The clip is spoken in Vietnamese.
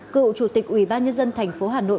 cựu chủ tịch ủy ban nhân dân tp hà nội